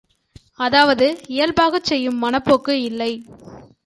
அதாவது இயல்பாகச் செய்யும் மனப்போக்கு இல்லை.